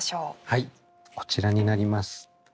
はいこちらになります。